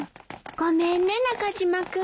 ごめんね中島君。